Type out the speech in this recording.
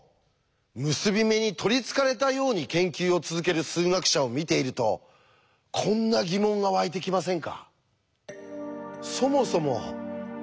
結び目に取りつかれたように研究を続ける数学者を見ているとこんな疑問がわいてきませんか？